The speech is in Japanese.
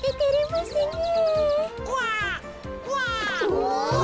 お？